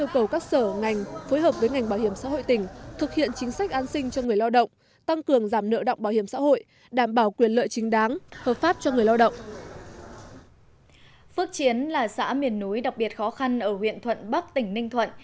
phước chiến là xã miền núi đặc biệt khó khăn ở huyện thuận bắc tỉnh ninh thuận